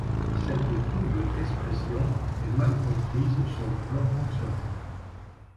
Cette double expression est mal comprise sur le plan fonctionnel.